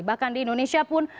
bahkan di indonesia pun